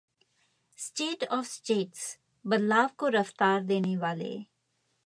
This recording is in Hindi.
स्टेट ऑफ स्टेट्स: बदलाव को रफ्तार देने वाले